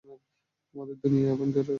তোমাদের দুনিয়ায় অ্যাভেঞ্জারেরা নেই?